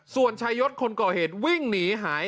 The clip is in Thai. ส่วนชายศคนก่อเหตุวิ่งหนีหาย